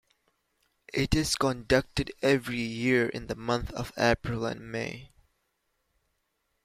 It is conducted every year in the month of April and May.